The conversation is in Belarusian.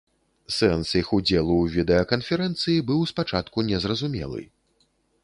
Сэнс іх удзелу ў відэаканферэнцыі быў спачатку незразумелы.